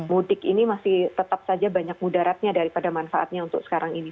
mudik ini masih tetap saja banyak mudaratnya daripada manfaatnya untuk sekarang ini